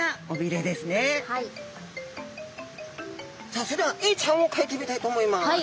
さあそれではエイちゃんをかいてみたいと思います。